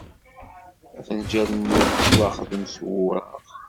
Afenjal-nni yettwaxdem s wureɣ.